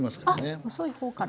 あっ細い方から。